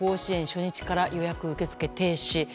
初日から予約受け付け停止。